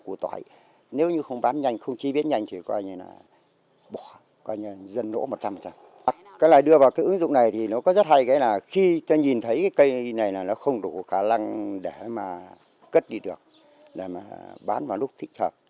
cái này đưa vào cái ứng dụng này thì nó có rất hay cái là khi ta nhìn thấy cái cây này là nó không đủ khả năng để mà cất đi được để mà bán vào lúc thích hợp